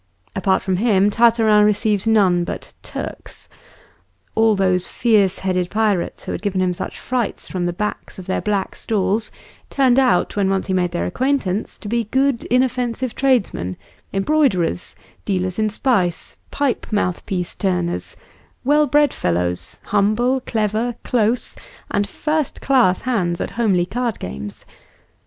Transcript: Apart from him, Tartarin received none but "Turks." All those fierce headed pirates who had given him such frights from the backs of their black stalls turned out, when once he made their acquaintance, to be good inoffensive tradesmen, embroiderers, dealers in spice, pipe mouthpiece turners well bred fellows, humble, clever, close, and first class hands at homely card games.